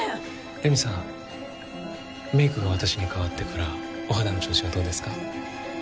麗美さんメイクが私に代わってからお肌の調子はどうですか？